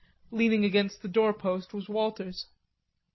Leaning against the doorpost was Walters.